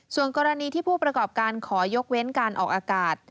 ส่วนกรณีที่ผู้ประกอบการขอยกเว้นการออกอากาศ